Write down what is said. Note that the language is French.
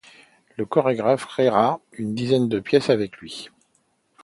Le chorégraphe créera une dizaine de pièces avec lui.